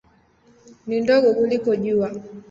Ni ndogo kuliko Jua.